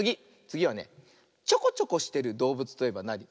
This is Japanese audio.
つぎはねちょこちょこしてるどうぶつといえばなに？